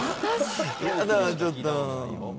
やだぁちょっと。